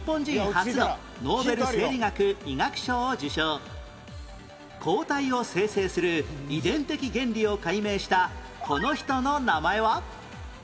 ３５年前抗体を生成する遺伝的原理を解明したこの人の名前は？